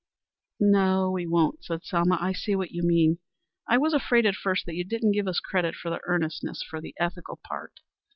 "No, we won't," said Selma. "I see what you mean. I was afraid at first that you didn't give us credit for the earnestness for the ethical part.